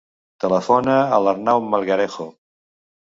Telefona a l'Arnau Melgarejo.